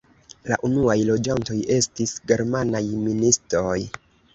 La unuaj loĝantoj estis germanaj ministoj.